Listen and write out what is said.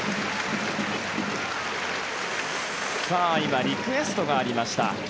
今、リクエストがありました。